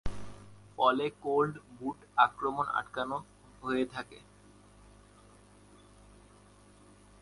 ফলে কোল্ড-বুট আক্রমণ আটকানো হয়ে থাকে।